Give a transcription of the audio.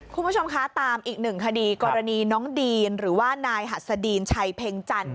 คุณผู้ชมคะตามอีกหนึ่งคดีกรณีน้องดีนหรือว่านายหัสดีนชัยเพ็งจันท